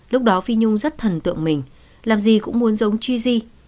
lúc đó phi nhung rất thần tượng mình làm gì cũng muốn giống tri di